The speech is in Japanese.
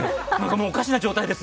もう、おかしな状態です。